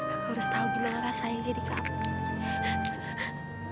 aku harus tahu gimana rasanya jadi kamu